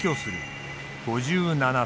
５７歳。